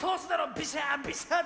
ビシャーッビシャーッ」て。